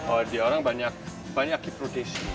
or dia orang banyak banyak hip rotation